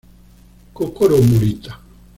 Kokoro Morita